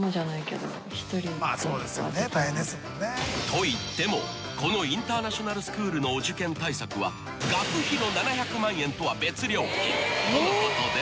［といってもこのインターナショナルスクールのお受験対策は学費の７００万円とは別料金とのことで］